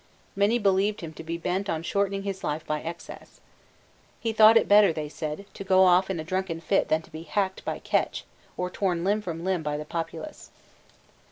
Many believed him to be bent on shortening his life by excess. He thought it better, they said, to go off in a drunken fit than to be hacked by Ketch, or torn limb from limb by the populace.